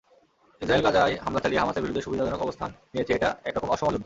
Israel গাজায় হামলা চালিয়ে হামাসের বিরুদ্ধে সুবিধাজনক অবস্থান নিয়েছে—এটা একরকম অসম যুদ্ধ।